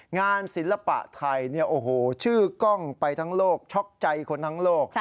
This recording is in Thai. งานศิลปะไทยเนี่ยโอ้โหชื่อกล้องไปทั้งโลกช็อกใจคนทั้งโลก